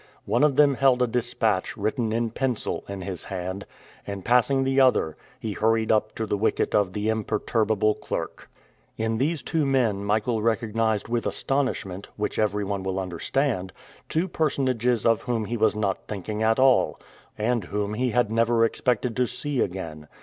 One of them held a dispatch, written in pencil, in his hand, and, passing the other, he hurried up to the wicket of the imperturbable clerk. In these two men Michael recognized with astonishment, which everyone will understand, two personages of whom he was not thinking at all, and whom he had never expected to see again.